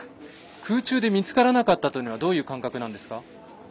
空中で見つからなかったというのはどういう感覚なんですか？